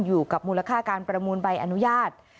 มูลค่าการประมูลใบอนุญาต